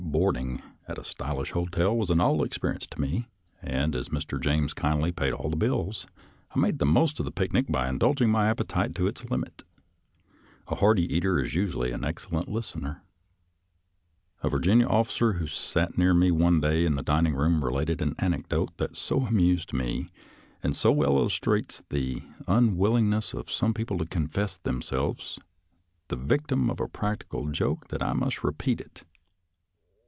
Boarding at a stylish hotel was a novel experience to me, and as Mr. James kindly paid all the bills I made the most of the picnic by indulging my appetite to its limit. A hearty eater is usually an excellent listener. A Virginia officer who sat near me one day in the dining room related an anecdote that so amused me, and so well illustrates the unwilling ness of some people to confess themselves the victim of a practical joke, that I must repeat it.